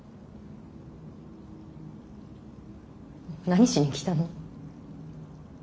何しに来たの。